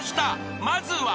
［まずは］